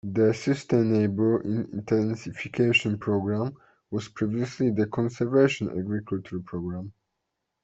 The Sustainable Intensification Program was previously the Conservation Agriculture Program.